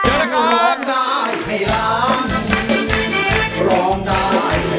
ผมวัสสุนามสกุลวงชุจิมาวัสสุ